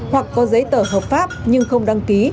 hoặc có giấy tờ hợp pháp nhưng không đăng ký